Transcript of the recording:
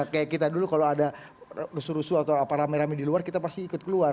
kayak kita dulu kalau ada rusuh rusuh atau apa rame rame di luar kita pasti ikut keluar